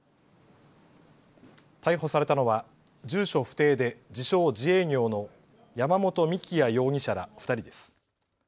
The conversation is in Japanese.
逮捕されたのは住所不定で自称、自営業の山本幹也容疑者ら２人です。